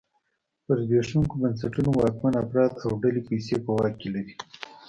پر زبېښونکو بنسټونو واکمن افراد او ډلې پیسې په واک کې لري.